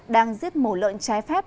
đang giết mổ lợn trái phép